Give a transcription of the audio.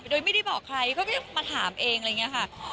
โดยไม่ได้บอกใครก็มาถามเองอะไรอย่างนี้ค่ะ